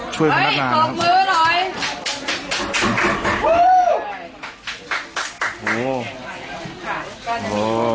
ช่วยคุณทัพนานครับ